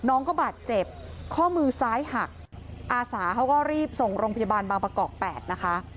น้องก็บาดเจ็บข้อมือซ้ายหักอาสาเขาก็รีบส่งโรงพยาบาลบางประกอบ๘นะคะ